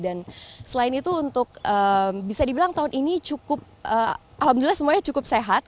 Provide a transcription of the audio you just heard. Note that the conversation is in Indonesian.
dan selain itu untuk bisa dibilang tahun ini cukup alhamdulillah semuanya cukup sehat